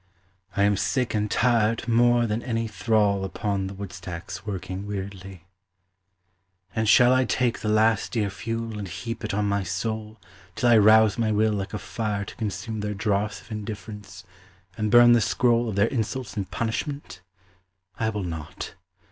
I am sick, and tired more than any thrall Upon the woodstacks working weariedly. And shall I take The last dear fuel and heap it on my soul Till I rouse my will like a fire to consume Their dross of indifference, and burn the scroll Of their insults in punishment? I will not!